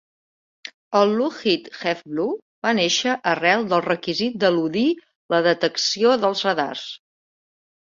El "Lockheed Have Blue" va néixer arrel del requisit d'eludir la detecció dels radars.